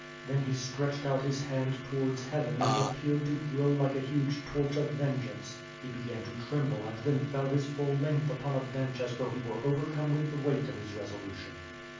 Then he stretched out his hand towards heaven and ap peared to glow like a huge torch of vengean 'e he began to tremble and then fell his full length upon a bench as though he were overcome with the weight of his resolution.